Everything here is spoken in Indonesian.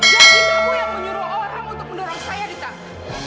jadi kamu yang menyuruh orang untuk mendorong saya di tangan